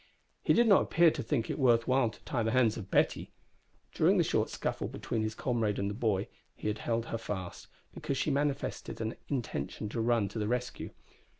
He did not appear to think it worth while to tie the hands of Betty! During the short scuffle between his comrade and the boy he had held her fast, because she manifested an intention to run to the rescue.